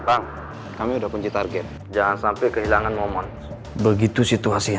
halo halo bang gimana kami udah kunci target jangan sampai kehilangan momon begitu situasinya